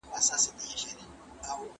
له کورنۍ پوهي پرته مینه نه حس کېږي.